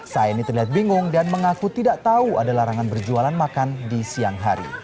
saini terlihat bingung dan mengaku tidak tahu ada larangan berjualan makan di siang hari